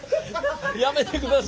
やめてください。